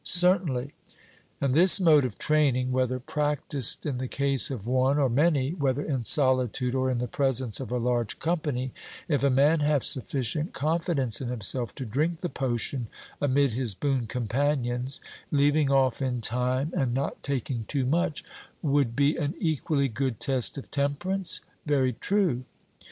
'Certainly.' And this mode of training, whether practised in the case of one or many, whether in solitude or in the presence of a large company if a man have sufficient confidence in himself to drink the potion amid his boon companions, leaving off in time and not taking too much, would be an equally good test of temperance? 'Very true.'